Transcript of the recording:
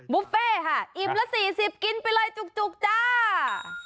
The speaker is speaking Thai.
บุฟเฟ่ค่ะอิ่มละ๔๐กินไปเลยจุกจ้า